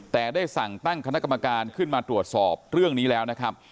แต่ได้สั่งตั้งคณะกรรมการขึ้นมาตรวจสอบเรื่องนี้แล้วนะครับ